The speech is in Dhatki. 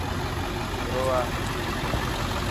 آرو آ.